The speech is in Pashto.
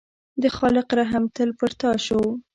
د خالق رحم تل پر تا شو.